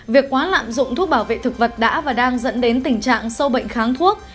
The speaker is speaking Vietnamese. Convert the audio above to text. việc quá lạm dụng thuốc bảo vệ thực vật đã và đang dẫn đến tình trạng sâu bệnh kháng thuốc